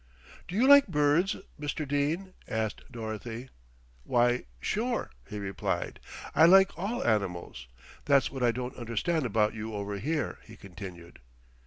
"Do you like birds, Mr. Dene?" asked Dorothy. "Why, sure," he replied, "I like all animals. That's what I don't understand about you over here," he continued.